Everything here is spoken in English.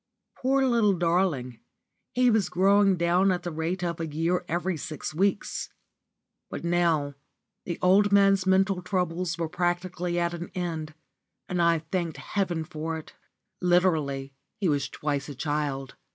Poor little darling, he was growing down at the rate of a year every six weeks. But now the old man's mental troubles were practically at an end, and I thanked heaven for it. Literally he was twice a child.